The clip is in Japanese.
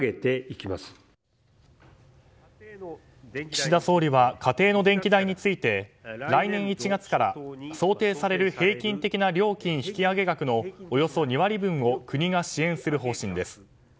岸田総理は家庭の電気代について来年１月から想定される平均的な料金引き上げ額のおよそ２割分を国が支援する方針です。